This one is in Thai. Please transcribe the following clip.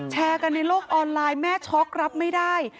แชร์กันในโลกออนไลน์แม่ช็อกรับไม่ได้